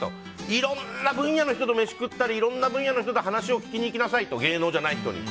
いろんな分野の人飯食ったり話を聞きに行きなさいと芸能じゃない人に。